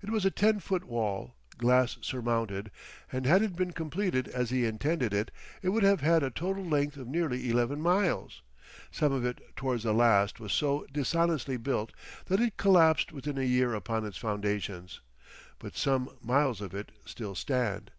It was a ten foot wall, glass surmounted, and had it been completed as he intended it, it would have had a total length of nearly eleven miles. Some of it towards the last was so dishonestly built that it collapsed within a year upon its foundations, but some miles of it still stand.